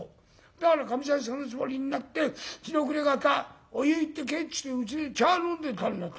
だからかみさんそのつもりになって日の暮れ方お湯行って帰ってきてうちで茶飲んでたんだと。